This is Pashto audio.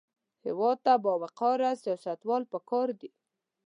هېواد ته باوقاره سیاستوال پکار دي